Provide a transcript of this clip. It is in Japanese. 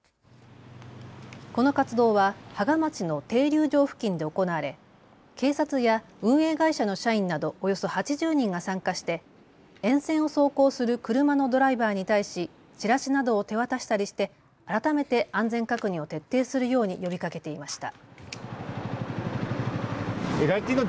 この活動は芳賀町の停留場付近で行われ警察や運営会社の社員などおよそ８０人が参加して沿線を走行する車のドライバーに対しチラシなどを手渡したりして改めて安全確認を徹底するように呼びかけていました。